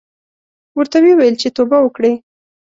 ورته ویې ویل چې توبه وکړې.